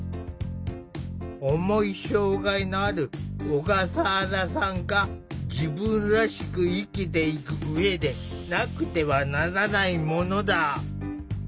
重い障害のある小笠原さんが自分らしく生きていく上でなくてはならないものだ。